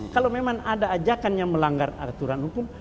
kalau memang ada ajakannya melanggar aturan hukum